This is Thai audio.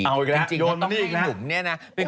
เอาอีกแล้วโยนมานี่อีกนะ